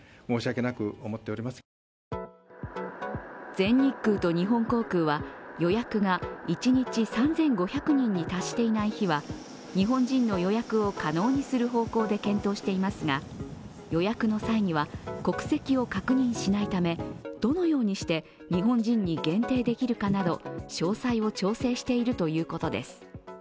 全日空と日本航空は予約が一日３５００人に達していない日は日本人の予約を可能にする方向で検討していますが、予約の際には国籍を確認しないためどのようにして日本人に限定できるかなど詳細を調整しているということです。